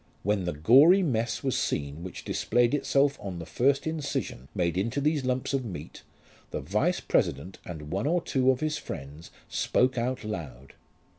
When the gory mess was seen which displayed itself on the first incision made into these lumps of meat, the vice president and one or two of his friends spoke out aloud.